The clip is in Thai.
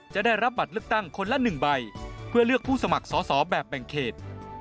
ได้รับบัตรเลือกตั้งคนละ๑ใบเพื่อเลือกผู้สมัครสอสอแบบแบ่งเขต